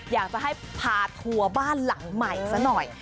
อยากจะให้พาทัวร์บ้านหลังใหม่ซะหน่อย